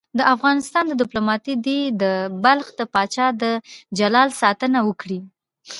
د افغانستان دیپلوماسي دې د بلخ د پاچا د جلال ساتنه وکړي.